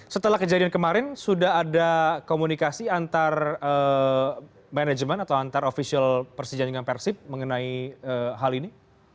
setelah kejadian kemarin sudah ada komunikasi antar management atau antar official persediaan persib mengenai hal ini